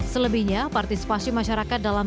selebihnya partisipasi masyarakat dalam tiga m